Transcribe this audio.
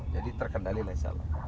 jadi terkendali lain salah